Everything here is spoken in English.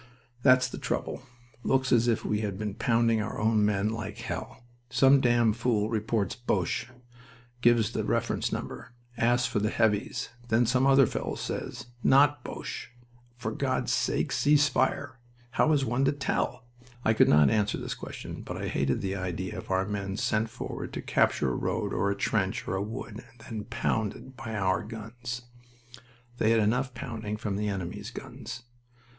"That's the trouble. Looks as if we had been pounding our own men like hell. Some damn fool reports 'Boches.' Gives the reference number. Asks for the 'Heavies'. Then some other fellow says: 'Not Boches. For God's sake cease fire!' How is one to tell?" I could not answer that question, but I hated the idea of our men sent forward to capture a road or a trench or a wood and then "pounded" by our guns. They had enough pounding from the enemy's guns.